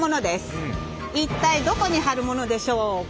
一体どこに貼るものでしょうか？